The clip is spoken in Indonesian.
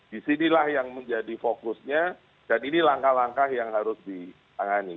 disinilah yang menjadi fokusnya dan ini langkah langkah yang harus ditangani